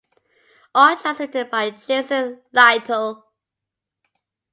All tracks written by Jason Lytle.